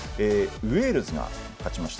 ウェールズが勝ちました。